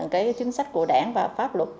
chính sách của đảng và pháp luật